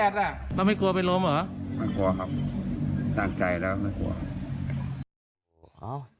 สลุมไม่ควรห่วง